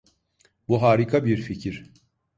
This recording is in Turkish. Bu harika bir fikir.